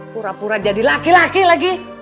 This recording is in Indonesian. pura pura jadi laki laki